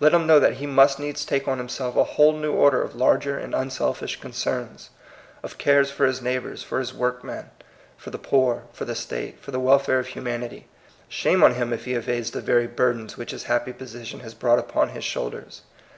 Let him know that he must needs take on himself a whole new order of larger and unselfish concerns, of cares for his neigh bors, for his workmen, for the poor, for the state, for the welfare of humanity. Shame on him if he evades the very burdens which his happy position has brought upon his shoulders!